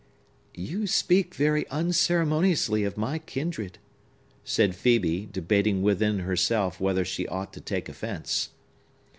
"You speak very unceremoniously of my kindred," said Phœbe, debating with herself whether she ought to take offence.